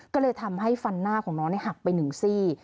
ก็เลยทำให้ฟันหน้าของน้องหักไปหนึ่งซี่